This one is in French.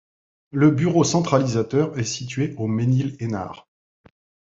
Le bureau centralisateur est situé au Mesnil-Esnard.